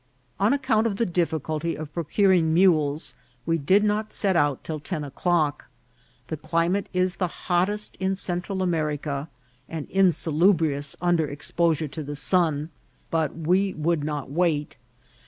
On account of the difficulty of procuring mules, we did not set out till ten o'clock. The climate is the hot test in Central America, and insalubrious under expo sure to the sun ; but we would not wait.